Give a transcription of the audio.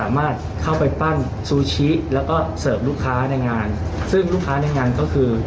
มีเสียงนิดนึงฟังค่ะ